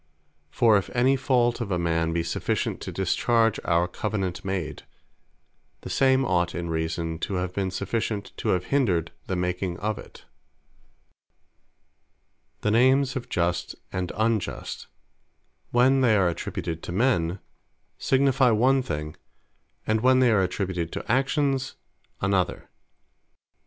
For if any fault of a man, be sufficient to discharge our Covenant made; the same ought in reason to have been sufficient to have hindred the making of it. Justice Of Men, And Justice Of Actions What The names of Just, and Unjust, when they are attributed to Men, signifie one thing; and when they are attributed to Actions, another.